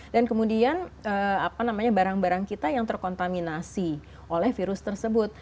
dan kemudian barang barang kita yang terkontaminasi oleh virus tersebut